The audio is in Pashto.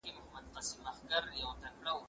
کېدای سي ليکلي پاڼي ګډ وي؟